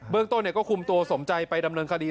เรื่องต้นก็คุมตัวสมใจไปดำเนินคดี